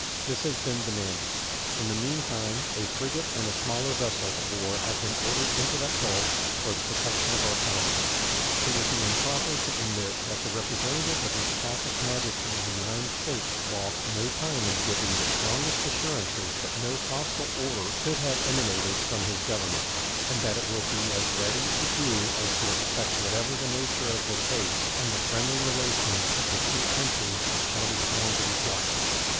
This has been demanded. In the mean time a frigate and a smaller vessel of war have been ordered into that Gulf for the protection of our commerce. It would be improper to omit that the representative of His Catholic Majesty in the United States lost no time in giving the strongest assurances that no hostile order could have emanated from his Government, and that it will be as ready to do as to expect whatever the nature of the case and the friendly relations of the two countries shall be found to require.